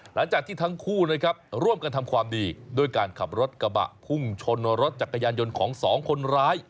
หลังจากที่ทั้งคู่นะครับร่วมกันทำความดีด้วยการขับรถกระบะพุ่งชนรถจักรยานยนต์ของสองคนร้าย